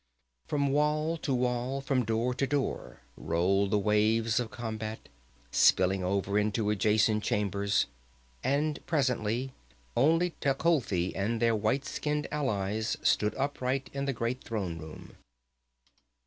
From wall to wall, from door to door rolled the waves of combat, spilling over into adjoining chambers. And presently only Tecuhltli and their white skinned allies stood upright in the great throne room.